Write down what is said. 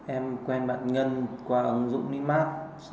em quen bạn ngân qua ứng dụng memarkt